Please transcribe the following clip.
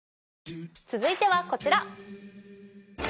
続いてはこちら。